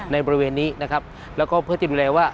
บริเวณนี้นะครับแล้วก็เพื่อที่ดูแลว่า